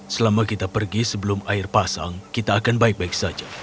selama kita pergi sebelum air pasang kita akan baik baik saja